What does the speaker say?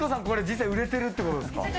これ実際に売れてるってことですか。